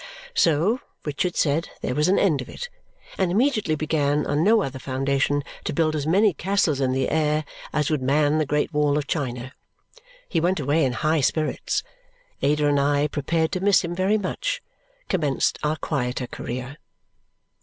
So, Richard said there was an end of it, and immediately began, on no other foundation, to build as many castles in the air as would man the Great Wall of China. He went away in high spirits. Ada and I, prepared to miss him very much, commenced our quieter career.